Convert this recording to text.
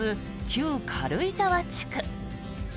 旧軽井沢地区。